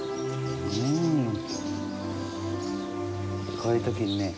こういうときにね